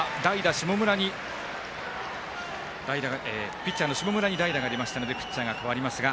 ピッチャーの下村に代打が出ましたのでピッチャーが代わりますが。